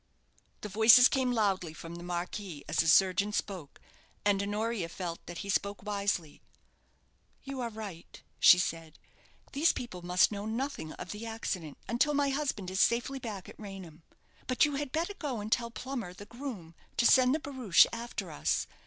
The voices came loudly from the marquee as the surgeon spoke; and Honoria felt that he spoke wisely. "You are right," she said; "these people must know nothing of the accident until my husband is safely back at Raynham. But you had better go and tell Plummer, the groom, to send the barouche after us.